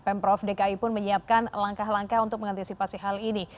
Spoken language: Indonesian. pemprov dki pun menyiapkan langkah langkah untuk mengantisipasi hal ini